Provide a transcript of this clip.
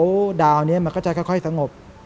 วันนี้มันก็จะค่อยสงบ